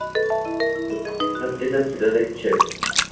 Su capital es la ciudad de Cheb.